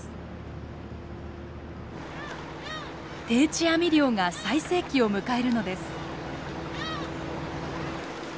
定置網漁が最盛期を迎えるのです。